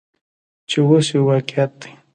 چې اوس یو واقعیت دی.